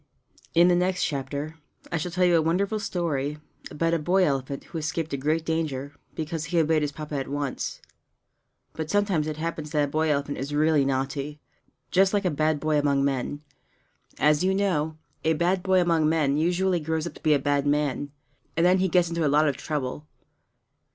In the next chapter I shall tell you a wonderful story about a boy elephant who escaped a great danger because he obeyed his Papa at once. But sometimes it happens that a boy elephant is really naughty just like a bad boy among men. As you know, a bad boy among men usually grows up to be a bad man, and then he gets into a lot of trouble.